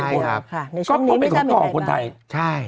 ในช่วงนี้ไม่ได้มีใครบ้าง